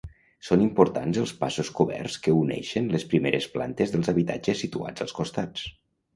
Són importants els passos coberts que uneixen les primeres plantes dels habitatges situats als costats.